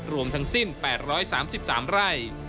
รวมทั้งสิ้น๘๓๓ไร่